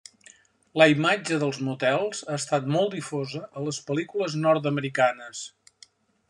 La imatge dels motels ha estat molt difosa a les pel·lícules nord-americanes.